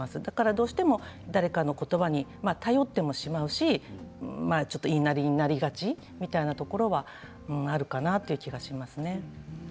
どうしても誰かの言葉に頼ってしまうし言いなりになりがちというところはあるかなと思いますね。